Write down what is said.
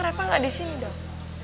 reva gak disini dong